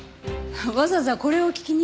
わざわざこれを聞きに？